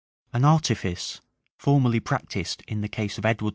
An artifice, formerly practised in the case of Edward II.